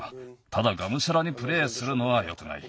ただがむしゃらにプレーするのはよくない。